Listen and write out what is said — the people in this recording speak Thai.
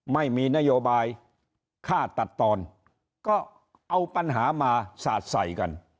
ไม่มีนโยบายค่าตัดตอนก็เอาปัญหามาสาดใส่กัน